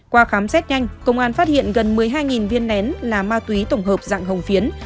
qua khám xét nhanh công an phát hiện gần một mươi hai viên nén là ma túy tổng hợp dạng hồng phiến